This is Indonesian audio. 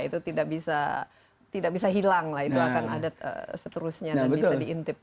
itu tidak bisa hilang lah itu akan ada seterusnya dan bisa diintip